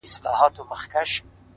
• ولاكه مو په كار ده دا بې ننگه ككرۍ؛